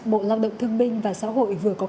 bộ lao động thương minh và xã hội vừa có công ty